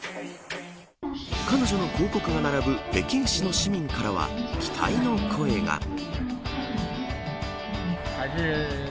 彼女の広告が並ぶ北京市の市民からは期待の声が。